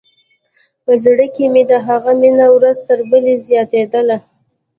په زړه کښې مې د هغه مينه ورځ تر بلې زياتېدله.